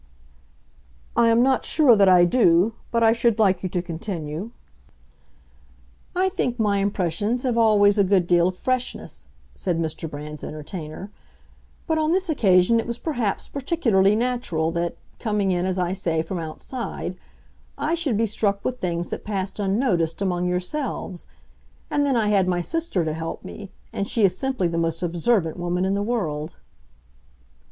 "I am not sure that I do; but I should like you to continue." "I think my impressions have always a good deal of freshness," said Mr. Brand's entertainer; "but on this occasion it was perhaps particularly natural that—coming in, as I say, from outside—I should be struck with things that passed unnoticed among yourselves. And then I had my sister to help me; and she is simply the most observant woman in the world."